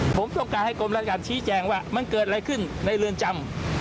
ผมต้องการให้กรมราชการชี้แจงว่ามันเกิดอะไรขึ้นในเรือนจำ